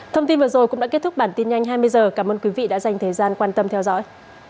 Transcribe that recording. thông tin vừa rồi cũng đã kết thúc bản tin nhanh hai mươi h cảm ơn quý vị đã dành thời gian quan tâm theo dõi